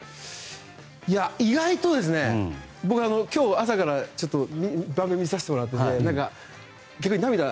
意外と僕、今日朝から番組見させてもらっていて逆に涙。